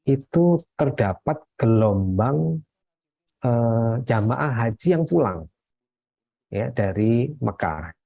itu terdapat gelombang jemaah haji yang pulang dari mekah